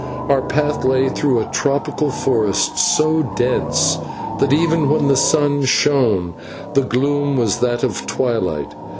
Our path lay through a tropical forest so dense that, even when the sun shone, the gloom was that of twilight.